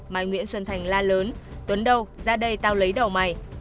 mai nguyễn xuân thành la lớn tuấn đâu ra đây tao lấy đầu mày